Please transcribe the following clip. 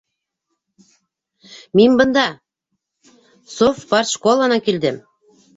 Мин бында... совпартшколанан килдем!